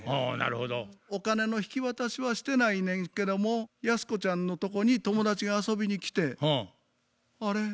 お金の引き渡しはしてないねんけどもヤスコちゃんのとこに友達が遊びに来て「あれ？